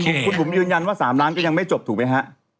คุณบุ๋มยืนยันว่า๓ล้านก็ยังไม่จบถูกไหมฮะ